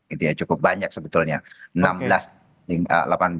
itu ya cukup banyak sebetulnya enam belas hingga delapan belas